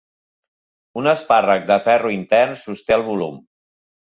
Un espàrrec de ferro intern sosté el volum.